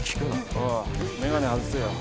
おい眼鏡外せよ。